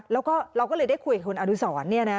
แล้วก็เราก็เลยได้คุยกับคุณอดีศรเนี่ยนะ